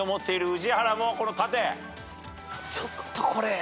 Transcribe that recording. ちょっとこれ。